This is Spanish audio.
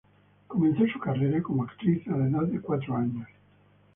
Comenzó su carrera como actriz a la edad de cuatro años.